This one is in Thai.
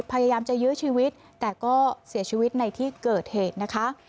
พยายามจะยื้อชีวิตแต่ก็เสียชีวิตในที่เกิดเหตุนะคะ